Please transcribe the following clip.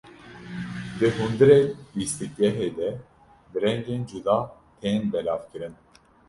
Di hundirê lîstikgehê de bi rengên cuda tên belavkirin.